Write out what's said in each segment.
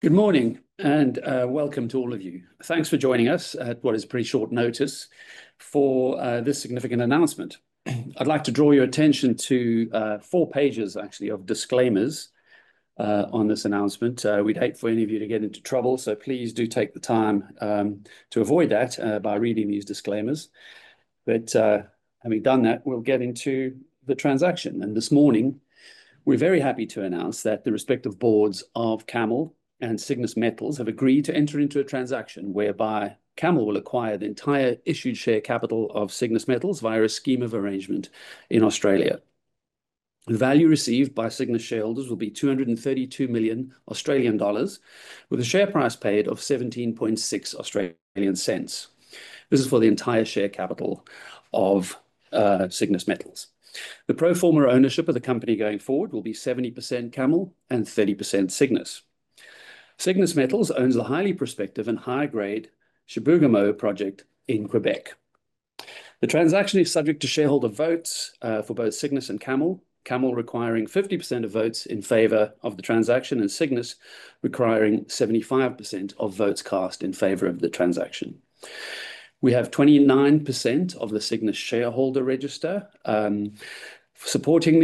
Good morning, and welcome to all of you. Thanks for joining us at what is pretty short notice for this significant announcement. I'd like to draw your attention to four pages, actually, of disclaimers on this announcement. We'd hate for any of you to get into trouble, so please do take the time to avoid that by reading these disclaimers. Having done that, we'll get into the transaction. This morning, we're very happy to announce that the respective boards of CAML and Cygnus Metals have agreed to enter into a transaction whereby CAML will acquire the entire issued share capital of Cygnus Metals via a scheme of arrangement in Australia. The value received by Cygnus shareholders will be 232 million Australian dollars, with a share price paid of 0.176. This is for the entire share capital of Cygnus Metals. The pro forma ownership of the company going forward will be 70% CAML and 30% Cygnus. Cygnus Metals owns the highly prospective and high-grade Chibougamau project in Québec. The transaction is subject to shareholder votes for both Cygnus and CAML. CAML requiring 50% of votes in favor of the transaction, and Cygnus requiring 75% of votes cast in favor of the transaction. We have 29% of the Cygnus shareholder register supporting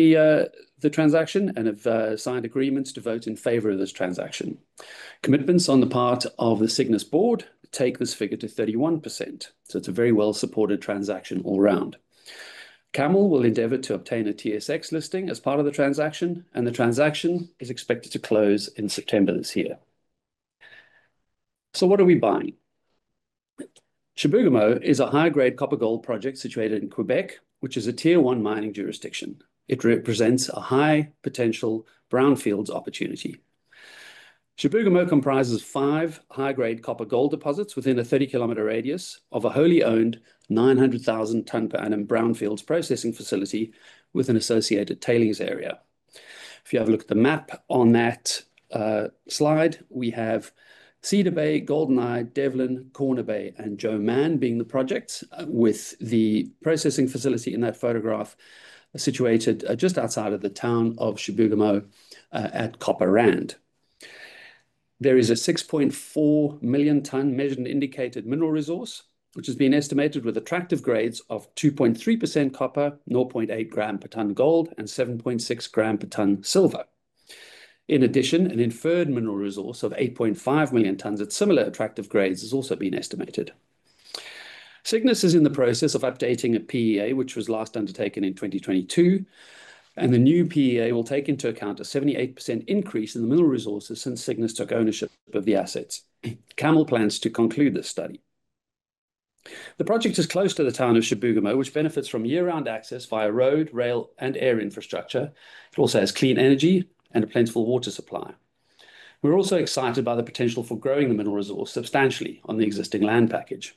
the transaction, and have signed agreements to vote in favor of this transaction. Commitments on the part of the Cygnus board take this figure to 31%. It's a very well-supported transaction all around. CAML will endeavor to obtain a TSX listing as part of the transaction. The transaction is expected to close in September this year. What are we buying? Chibougamau is a high-grade copper-gold project situated in Québec, which is a Tier 1 mining jurisdiction. It represents a high-potential brownfields opportunity. Chibougamau comprises five high-grade copper-gold deposits within a 30-km radius of a wholly-owned 900,000 ton per annum brownfields processing facility with an associated tailings area. If you have a look at the map on that slide, we have Cedar Bay, Golden Eye, Devlin, Corner Bay, and Joe Mann being the projects with the processing facility in that photograph situated just outside of the town of Chibougamau, at Copper Rand. There is a 6.4 million ton Measured and Indicated Mineral Resource, which has been estimated with attractive grades of 2.3% copper, 0.8 gram per ton gold, and 7.6 gram per ton silver. In addition, an inferred mineral resource of 8.5 million tons at similar attractive grades has also been estimated. Cygnus is in the process of updating a PEA, which was last undertaken in 2022, and the new PEA will take into account a 78% increase in the mineral resources since Cygnus took ownership of the assets. CAML plans to conclude this study. The project is close to the town of Chibougamau, which benefits from year-round access via road, rail, and air infrastructure. It also has clean energy and a plentiful water supply. We're also excited by the potential for growing the mineral resource substantially on the existing land package.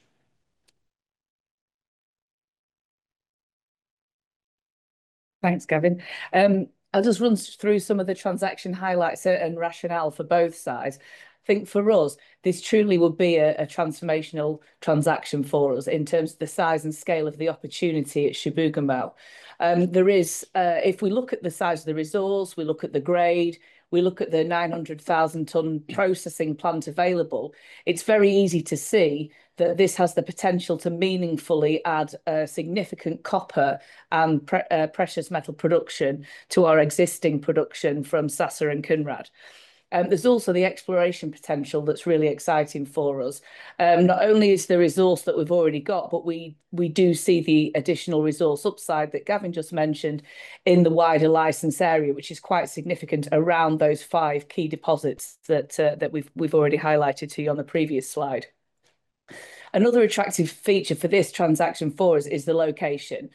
Thanks, Gavin. I'll just run through some of the transaction highlights and rationale for both sides. Think for us, this truly will be a transformational transaction for us in terms of the size and scale of the opportunity at Chibougamau. If we look at the size of the resource, we look at the grade, we look at the 900,000-ton processing plant available, it's very easy to see that this has the potential to meaningfully add a significant copper and precious metal production to our existing production from Sasa and Kounrad. There's also the exploration potential that's really exciting for us. Not only is the resource that we've already got, we do see the additional resource upside that Gavin just mentioned in the wider license area, which is quite significant around those five key deposits that we've already highlighted to you on the previous slide. Another attractive feature for this transaction for us is the location.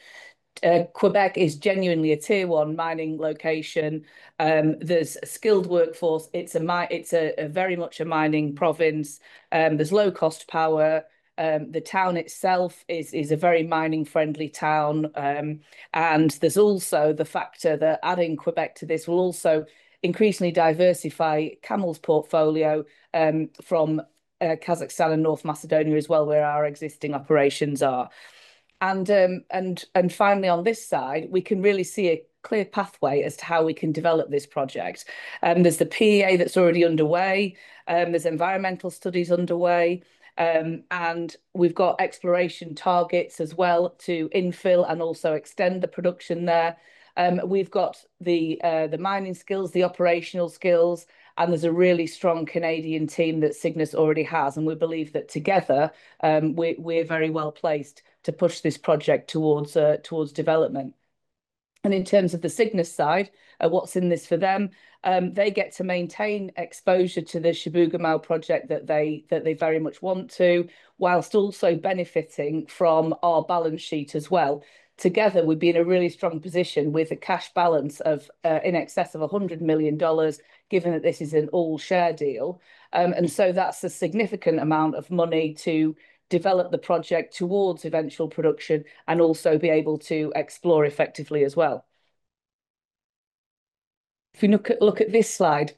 Québec is genuinely a Tier 1 mining location. There's a skilled workforce. It's a very much a mining province. There's low-cost power. The town itself is a very mining-friendly town. There's also the factor that adding Québec to this will also increasingly diversify CAML's portfolio from Kazakhstan and North Macedonia, as well, where our existing operations are. Finally, on this side, we can really see a clear pathway as to how we can develop this project. There's the PEA that's already underway. There's environmental studies underway. We've got exploration targets as well to infill and also extend the production there. We've got the mining skills, the operational skills, and there's a really strong Canadian team that Cygnus already has. We believe that together, we're very well-placed to push this project towards development. In terms of the Cygnus side, what's in this for them, they get to maintain exposure to the Chibougamau project that they very much want to, whilst also benefiting from our balance sheet as well. Together, we'd be in a really strong position with a cash balance in excess of $100 million, given that this is an all-share deal. That's a significant amount of money to develop the project towards eventual production and also be able to explore effectively as well. If we look at this slide,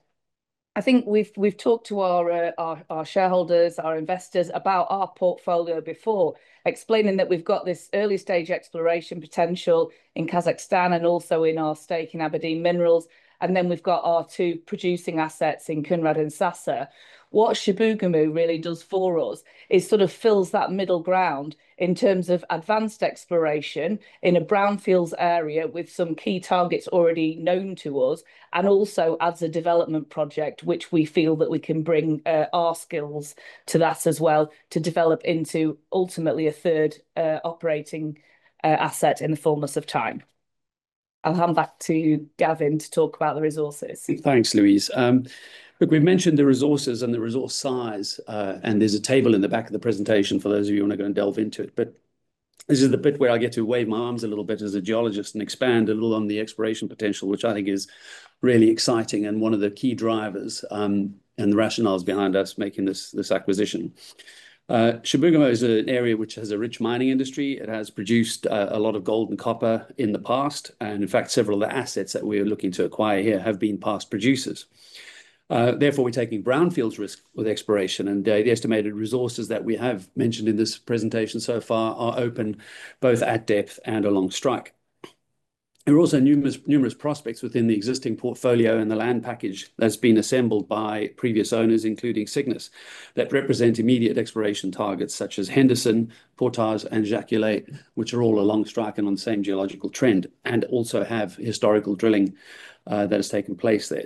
I think we've talked to our shareholders, our investors, about our portfolio before, explaining that we've got this early-stage exploration potential in Kazakhstan and also in our stake in Aberdeen Minerals. We've got our two producing assets in Kounrad and Sasa. What Chibougamau really does for us is sort of fills that middle ground in terms of advanced exploration in a brownfields area with some key targets already known to us, and also as a development project, which we feel that we can bring our skills to that as well to develop into, ultimately, a third operating asset in the fullness of time. I'll hand back to Gavin to talk about the resources. Thanks, Louise. Look, we've mentioned the resources and the resource size, and there's a table in the back of the presentation for those of you who want to go and delve into it. This is the bit where I get to wave my arms a little bit as a geologist and expand a little on the exploration potential, which I think is really exciting and one of the key drivers, and the rationales behind us making this acquisition. Chibougamau is an area which has a rich mining industry. It has produced a lot of gold and copper in the past, and in fact, several of the assets that we're looking to acquire here have been past producers. Therefore, we're taking brownfields risk with exploration, and the estimated resources that we have mentioned in this presentation so far are open both at depth and along strike. There are also numerous prospects within the existing portfolio and the land package that's been assembled by previous owners, including Cygnus, that represent immediate exploration targets, such as Henderson, Portage, and Jaculet, which are all along strike and on the same geological trend, and also have historical drilling that has taken place there.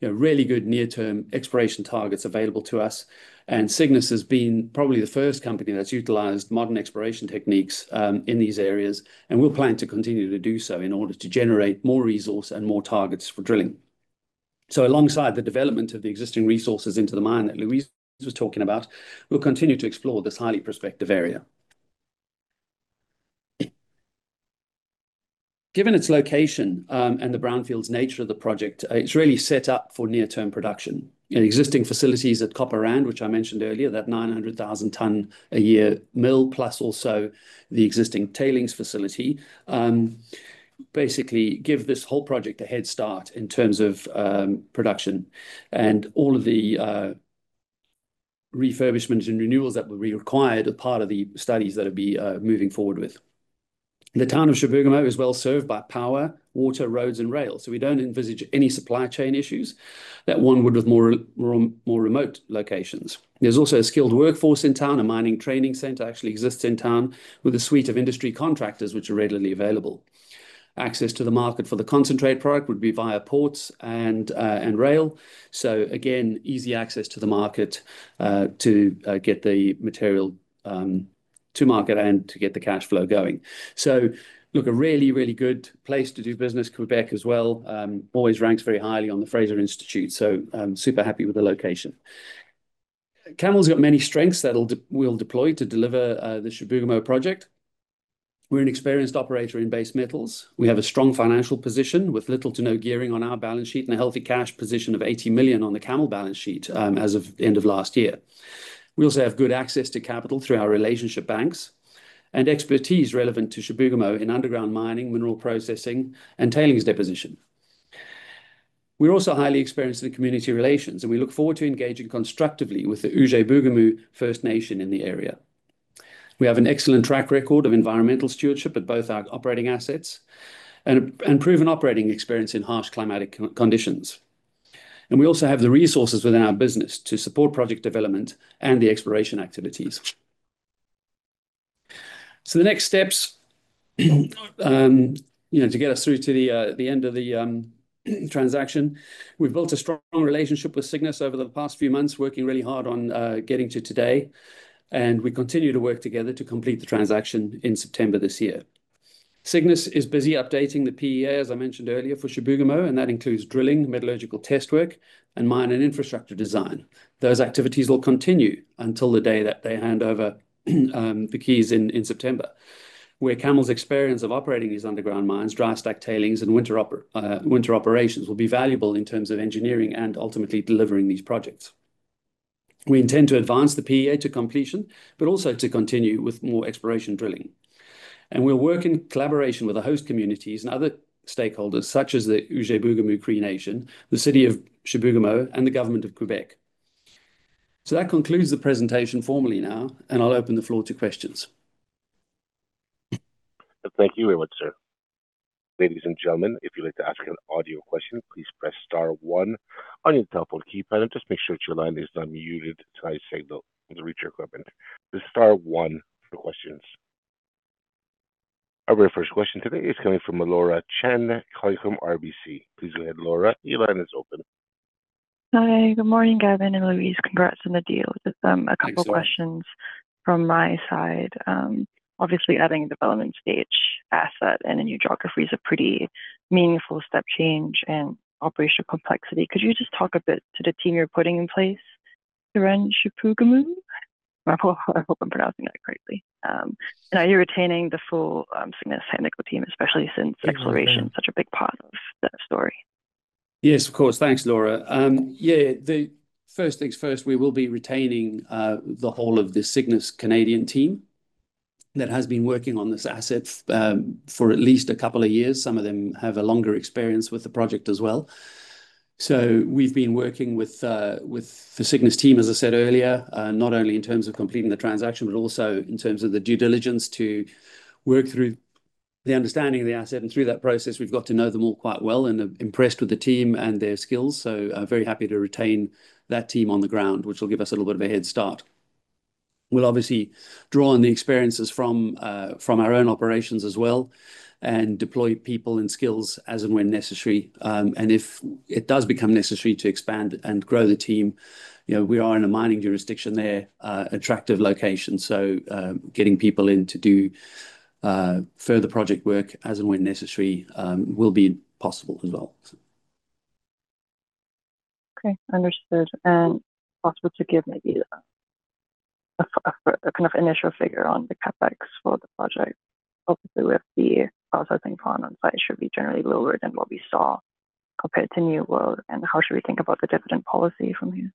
Really good near-term exploration targets available to us, and Cygnus has been probably the first company that's utilized modern exploration techniques in these areas, and we'll plan to continue to do so in order to generate more resource and more targets for drilling. Alongside the development of the existing resources into the mine that Louise was talking about, we'll continue to explore this highly prospective area. Given its location and the brownfields nature of the project, it's really set up for near-term production. The existing facilities at Copper Rand, which I mentioned earlier, that 900,000 tons a year mill, plus also the existing tailings facility, basically give this whole project a head start in terms of production. All of the refurbishments and renewals that will be required are part of the studies that we'll be moving forward with. The town of Chibougamau is well served by power, water, roads, and rail, so we don't envisage any supply chain issues that one would with more remote locations. There's also a skilled workforce in town. A mining training center actually exists in town with a suite of industry contractors, which are readily available. Access to the market for the concentrate product would be via ports and rail. Again, easy access to the market to get the material to market and to get the cash flow going. Look, a really, really good place to do business. Québec as well always ranks very highly on the Fraser Institute. CAML's got many strengths that we'll deploy to deliver the Chibougamau project. We're an experienced operator in base metals. We have a strong financial position with little to no gearing on our balance sheet, and a healthy cash position of 80 million on the CAML balance sheet as of end of last year. We also have good access to capital through our relationship banks and expertise relevant to Chibougamau in underground mining, mineral processing, and tailings deposition. We're also highly experienced in community relations, and we look forward to engaging constructively with the Oujé-Bougoumou First Nation in the area. We have an excellent track record of environmental stewardship at both our operating assets and proven operating experience in harsh climatic conditions. We also have the resources within our business to support project development and the exploration activities. The next steps to get us through to the end of the transaction. We've built a strong relationship with Cygnus over the past few months, working really hard on getting to today, and we continue to work together to complete the transaction in September this year. Cygnus is busy updating the PEA, as I mentioned earlier, for Chibougamau, and that includes drilling, metallurgical test work, and mine and infrastructure design. Those activities will continue until the day that they hand over the keys in September. Where CAML's experience of operating these underground mines, dry stack tailings, and winter operations will be valuable in terms of engineering and ultimately delivering these projects. We intend to advance the PEA to completion, but also to continue with more exploration drilling. We'll work in collaboration with the host communities and other stakeholders such as the Oujé-Bougoumou Cree Nation, the city of Chibougamau, and the government of Québec. That concludes the presentation formally now, and I'll open the floor to questions. Thank you very much, sir. Ladies and gentlemen, if you'd like to ask an audio question, please press star one on your telephone keypad and just make sure that your line is unmuted so I signal the reach your equipment. Press star one for questions. Our very first question today is coming from Laura Chan calling from RBC. Please go ahead, Laura. Your line is open. Hi. Good morning, Gavin and Louise. Congrats on the deal. Thanks. Just a couple of questions from my side. Obviously, adding a development stage asset in a new geography is a pretty meaningful step change in operational complexity. Could you just talk a bit to the team you're putting in place around Chibougamau? I hope I'm pronouncing that correctly. Are you retaining the full Cygnus technical team, especially since exploration is such a big part of the story? Yes, of course. Thanks, Laura. Yeah, first things first, we will be retaining the whole of the Cygnus Canadian team that has been working on this asset for at least a couple of years. Some of them have a longer experience with the project as well. We've been working with the Cygnus team, as I said earlier, not only in terms of completing the transaction, but also in terms of the due diligence to work through the understanding of the asset. Through that process, we've got to know them all quite well and are impressed with the team and their skills. Very happy to retain that team on the ground, which will give us a little bit of a head start. We'll obviously draw on the experiences from our own operations as well and deploy people and skills as and when necessary. If it does become necessary to expand and grow the team, we are in a mining jurisdiction there, attractive location. Getting people in to do further project work as and when necessary will be possible as well. Okay. Understood. Possible to give maybe a kind of initial figure on the CapEx for the project? Hopefully, with the processing plant on site, it should be generally lower than what we saw compared to New World. How should we think about the dividend policy from here?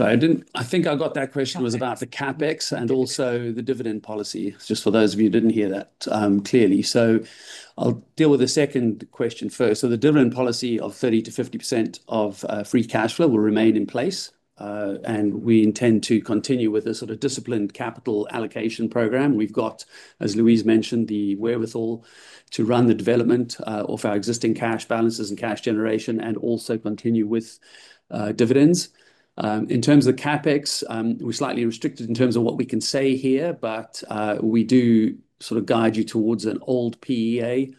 I think I got that question. Okay It was about the CapEx and also the dividend policy, just for those of you who didn't hear that clearly. I'll deal with the second question first. The dividend policy of 30%-50% of free cash flow will remain in place. We intend to continue with a sort of disciplined capital allocation program. We've got, as Louise mentioned, the wherewithal to run the development off our existing cash balances and cash generation and also continue with dividends. In terms of CapEx, we're slightly restricted in terms of what we can say here, but we do sort of guide you towards an old PEA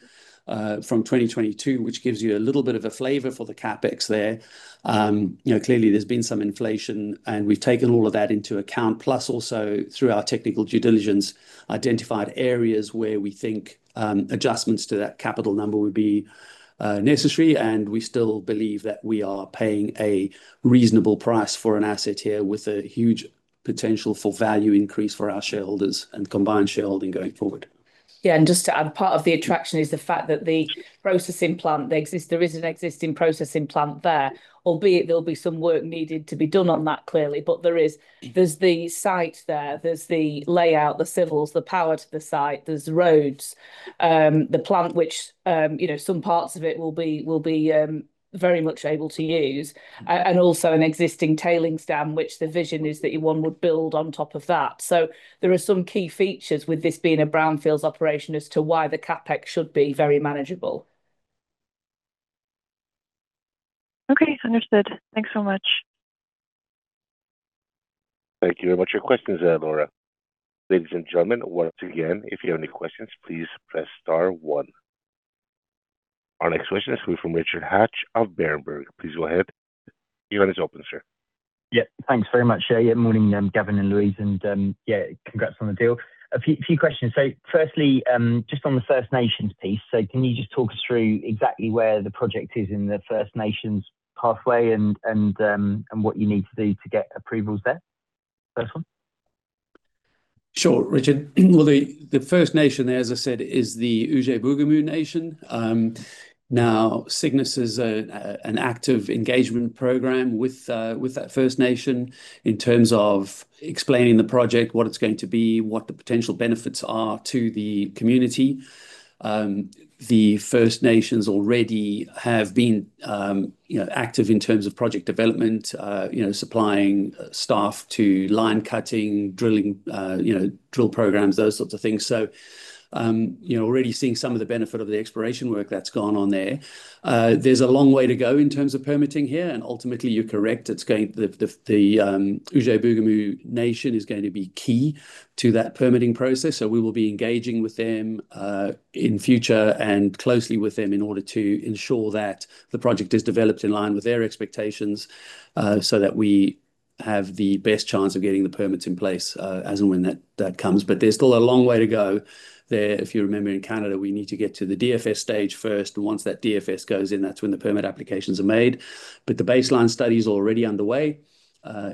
from 2022, which gives you a little bit of a flavor for the CapEx there. Clearly, there's been some inflation, and we've taken all of that into account, plus also, through our technical due diligence, identified areas where we think adjustments to that capital number would be necessary. We still believe that we are paying a reasonable price for an asset here with a huge potential for value increase for our shareholders and combined shareholding going forward. Yeah, just to add, part of the attraction is the fact that the processing plant, there is an existing processing plant there, albeit there'll be some work needed to be done on that, clearly. There's the site, there's the layout, the civils, the power to the site. There's roads. The plant which some parts of it we'll be very much able to use, and also an existing tailing dam, which the vision is that one would build on top of that. There are some key features with this being a brownfields operation as to why the CapEx should be very manageable. Okay, understood. Thanks so much. Thank you very much for your questions there, Laura. Ladies and gentlemen, once again, if you have any questions, please press star one. Our next question is through from Richard Hatch of Berenberg. Please go ahead. Your line is open, sir. Thanks very much. Morning, Gavin and Louise, and congrats on the deal. A few questions. Firstly, just on the First Nations piece. Can you just talk us through exactly where the project is in the First Nations pathway and what you need to do to get approvals there? First one. Sure, Richard. The First Nation there, as I said, is the Oujé-Bougoumou Nation. Cygnus has an active engagement program with that First Nation in terms of explaining the project, what it's going to be, what the potential benefits are to the community. The First Nations already have been active in terms of project development, supplying staff to line cutting, drilling, drill programs, those sorts of things. Already seeing some of the benefit of the exploration work that's gone on there. There's a long way to go in terms of permitting here. Ultimately, you're correct. The Oujé-Bougoumou Nation is going to be key to that permitting process. We will be engaging with them in future and closely with them in order to ensure that the project is developed in line with their expectations, so that we have the best chance of getting the permits in place, as and when that comes. There's still a long way to go there. If you remember in Canada, we need to get to the DFS stage first. Once that DFS goes in, that's when the permit applications are made. The baseline study's already underway,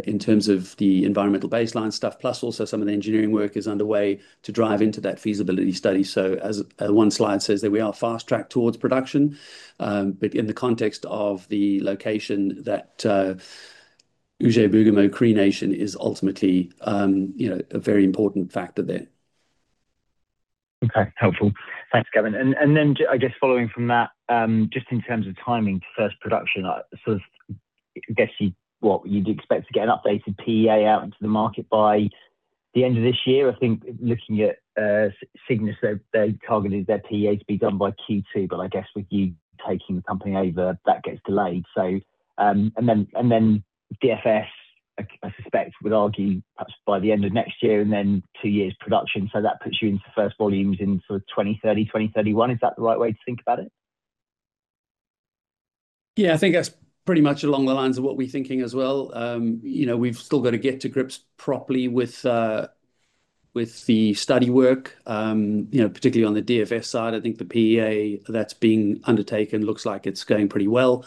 in terms of the environmental baseline stuff. Plus also some of the engineering work is underway to drive into that feasibility study. As one slide says there, we are fast-tracked towards production. In the context of the location, that Oujé-Bougoumou Cree Nation is ultimately a very important factor there. Okay. Helpful. Thanks, Gavin. Then, just following from that, just in terms of timing to first production, I guess, what you'd expect to get an updated PEA out into the market by the end of this year? I think looking at Cygnus, they targeted their PEA to be done by Q2, but I guess with you taking the company over, that gets delayed. Then, DFS, I suspect, would argue perhaps by the end of next year and then two years production. That puts you into first volumes in sort of 2030, 2031. Is that the right way to think about it? Yeah, I think that's pretty much along the lines of what we're thinking as well. We've still got to get to grips properly with the study work, particularly on the DFS side. I think the PEA that's being undertaken looks like it's going pretty well.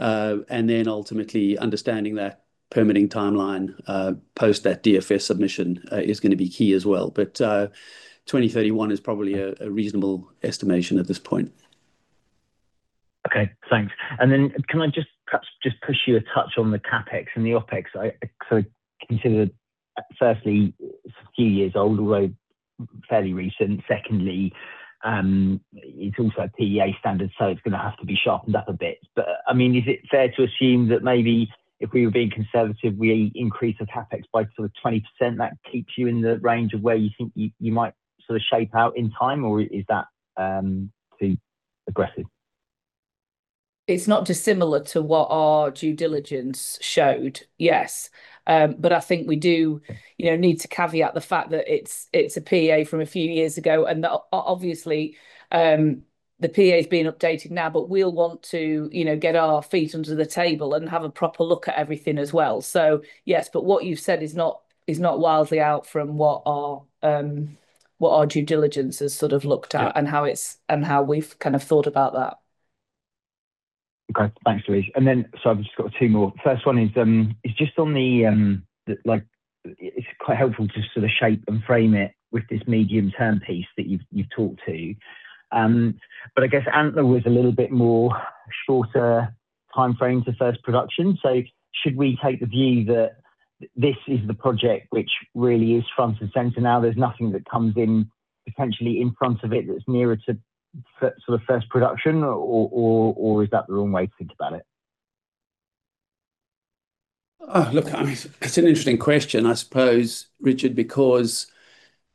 Ultimately, understanding that permitting timeline, post that DFS submission, is going to be key as well. 2031 is probably a reasonable estimation at this point. Okay, thanks. Can I just perhaps just push you a touch on the CapEx and the OpEx? I sort of consider that, firstly, it's a few years old, although fairly recent. Secondly, it's also a PEA standard; it's going to have to be sharpened up a bit. Is it fair to assume that maybe if we were being conservative, we increase the CapEx by sort of 20%, that keeps you in the range of where you think you might sort of shape out in time? Or is that too aggressive? It's not dissimilar to what our due diligence showed. Yes. I think we do need to caveat the fact that it's a PEA from a few years ago, and that obviously, the PEA is being updated now. We'll want to get our feet under the table and have a proper look at everything as well. Yes, but what you've said is not wildly out from what our due diligence has sort of looked at. How we've kind of thought about that. Okay. Thanks, Louise. I've just got two more. First one is just on the, like it's quite helpful to sort of shape and frame it with this medium-term piece that you've talked to. I guess Antler was a little bit more shorter timeframe to first production. Should we take the view that this is the project which really is front and center now, there's nothing that comes in potentially in front of it that's nearer to sort of first production, or is that the wrong way to think about it? Oh, look, it's an interesting question I suppose, Richard, because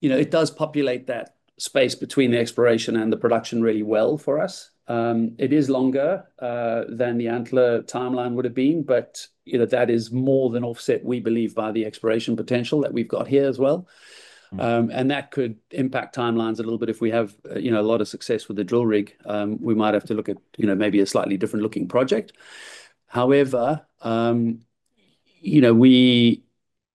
it does populate that space between the exploration and the production really well for us. It is longer than the Antler timeline would've been, but that is more than offset, we believe, by the exploration potential that we've got here as well. That could impact timelines a little bit if we have a lot of success with the drill rig. We might have to look at maybe a slightly different-looking project. However,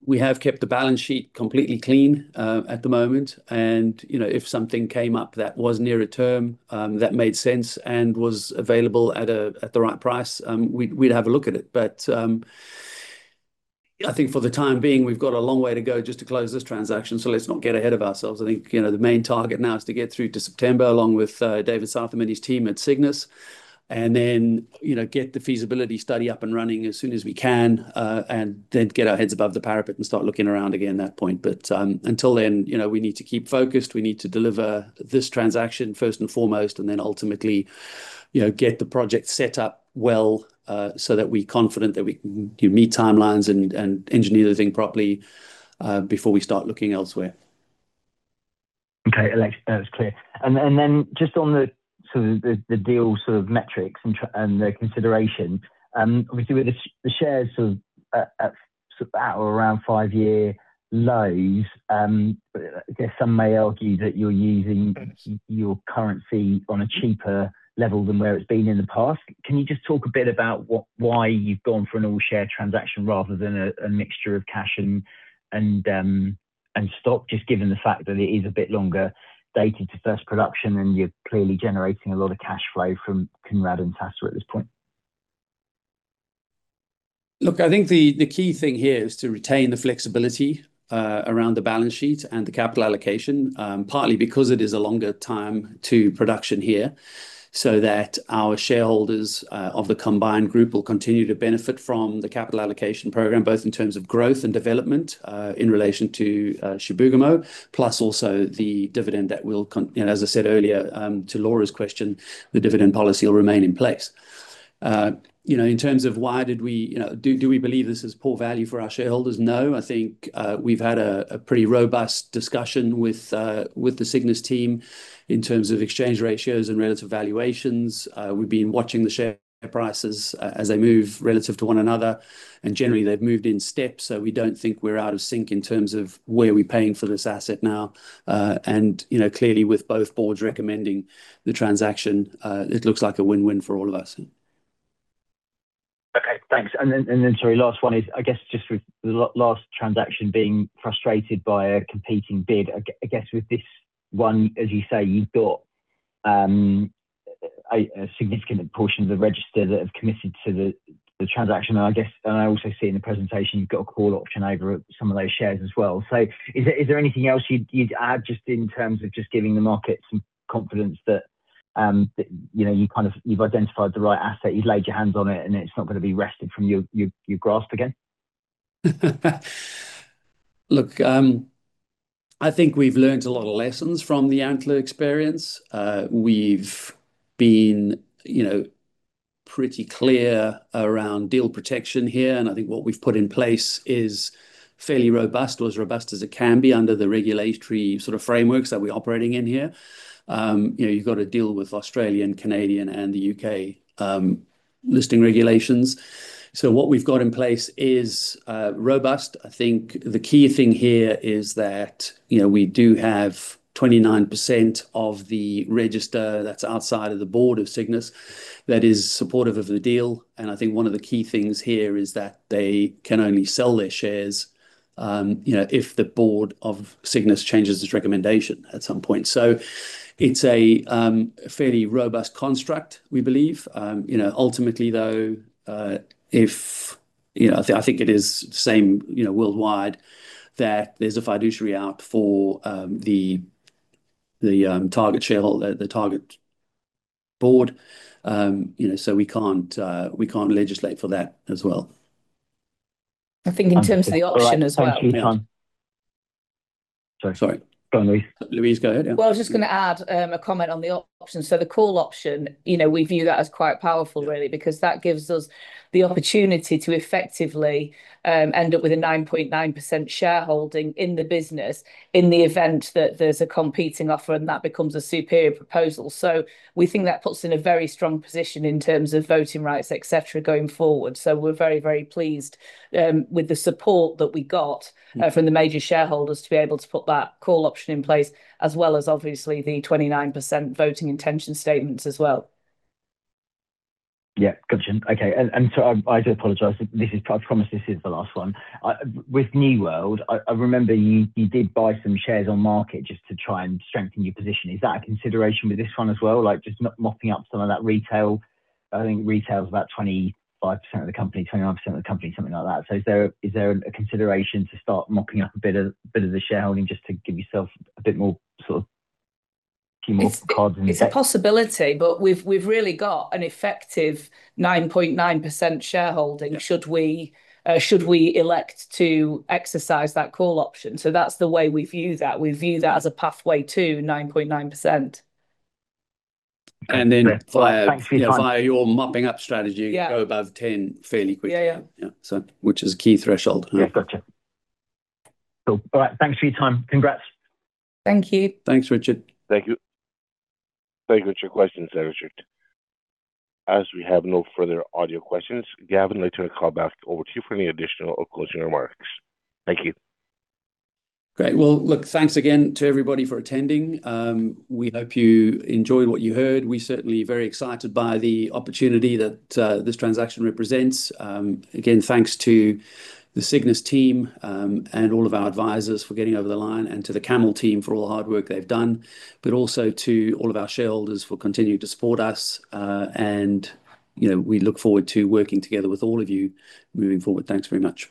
we have kept the balance sheet completely clean at the moment, and if something came up that was nearer term, that made sense and was available at the right price, we'd have a look at it. I think for the time being, we've got a long way to go just to close this transaction, so let's not get ahead of ourselves. I think the main target now is to get through to September, along with David Southam and his team at Cygnus. Then get the feasibility study up and running as soon as we can, and then get our heads above the parapet and start looking around again at that point. Until then, we need to keep focused. We need to deliver this transaction first and foremost, and then ultimately get the project set up well, so that we're confident that we can meet timelines and engineer the thing properly before we start looking elsewhere. Okay, that was clear. Just on the sort of the deal, sort of metrics and the consideration. Obviously, with the shares sort of at or around five-year lows, I guess some may argue that you're using your currency on a cheaper level than where it's been in the past. Can you just talk a bit about why you've gone for an all-share transaction rather than a mixture of cash and stock, just given the fact that it is a bit longer dated to first production, and you're clearly generating a lot of cash flow from Kounrad and Sasa at this point? Look, I think the key thing here is to retain the flexibility around the balance sheet and the capital allocation. Partly because it is a longer time to production here, so that our shareholders of the combined group will continue to benefit from the capital allocation program, both in terms of growth and development, in relation to Chibougamau, plus also the dividend. As I said earlier, to Laura's question, the dividend policy will remain in place. In terms of why, did we do we believe this is poor value for our shareholders? No. I think we've had a pretty robust discussion with the Cygnus team in terms of exchange ratios and relative valuations. We've been watching the share prices as they move relative to one another, and generally, they've moved in step, so we don't think we're out of sync in terms of where are we paying for this asset now. Clearly, with both boards recommending the transaction, it looks like a win-win for all of us. Okay, thanks. Sorry, last one is, I guess, just with the last transaction being frustrated by a competing bid. I guess with this one, as you say, you've got a significant portion of the register that have committed to the transaction. I guess, and I also see in the presentation, you've got a call option over some of those shares as well. Is there anything else you'd add just in terms of just giving the market some confidence that you've identified the right asset, you've laid your hands on it, and it's not going to be wrested from your grasp again? I think we've learned a lot of lessons from the Antler experience. We've been pretty clear around deal protection here, and I think what we've put in place is fairly robust or as robust as it can be under the regulatory sort of frameworks that we're operating in here. You've got to deal with Australian, Canadian, and the U.K. listing regulations. What we've got in place is robust. I think the key thing here is that we do have 29% of the register that's outside of the board of Cygnus that is supportive of the deal. I think one of the key things here is that they can only sell their shares if the board of Cygnus changes its recommendation at some point. It's a fairly robust construct, we believe. Ultimately, though, I think it is the same worldwide, that there's a fiduciary out for the target shareholder, the target board. We can't legislate for that as well. I think in terms of the option as well. All right. Thank you for your time. Sorry. Sorry. Go on, Louise. Louise, go ahead. Yeah. Well, I was just going to add a comment on the option. The call option, we view that as quite powerful, really, because that gives us the opportunity to effectively end up with a 9.9% shareholding in the business in the event that there's a competing offer and that becomes a superior proposal. We think that puts us in a very strong position in terms of voting rights, et cetera, going forward. We're very, very pleased with the support that we got from the major shareholders to be able to put that call option in place, as well as obviously the 29% voting intention statements as well. Yeah, got you. Okay. I do apologize. I promise this is the last one. With New World, I remember you did buy some shares on market just to try and strengthen your position. Is that a consideration with this one as well, like just mopping up some of that retail? I think retail is about 25% of the company, 29% of the company, something like that. Is there a consideration to start mopping up a bit of the shareholding just to give yourself a bit more sort of, few more cards in the deck? It's a possibility, we've really got an effective 9.9% shareholding. Yeah Should we elect to exercise that call option? That's the way we view that. We view that as a pathway to 9.9%. And then via- Thanks for your time. Via your mopping up strategy go above 10 fairly quickly. Yeah. Yeah. Which is a key threshold. Yeah, got you. Cool. All right. Thanks for your time. Congrats. Thank you. Thanks, Richard. Thank you. Thank you. That's your question, Sir Richard. As we have no further audio questions, Gavin, later I call back over to you for any additional or closing remarks. Thank you. Great. Well, look, thanks again to everybody for attending. We hope you enjoyed what you heard. We certainly are very excited by the opportunity that this transaction represents. Again, thanks to the Cygnus team and all of our advisors for getting over the line, and to the CAML team for all the hard work they've done, but also to all of our shareholders for continuing to support us. We look forward to working together with all of you moving forward. Thanks very much.